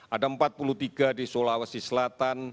ada empat puluh tiga di sulawesi selatan